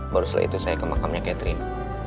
baru setelah itu saya ke makamnya catherine